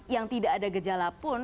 yang tidak ada gejala pun